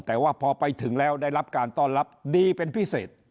แต่ว่าพอไปถึงแล้วได้รับการต้อนรับดีเป็นพิเศษ